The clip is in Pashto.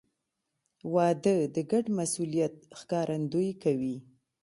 • واده د ګډ مسؤلیت ښکارندویي کوي.